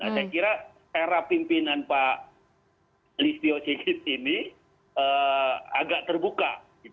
saya kira era pimpinan pak listio sigit ini agak terbuka